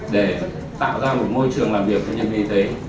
để tạo ra một môi trường làm việc cho nhân viên y tế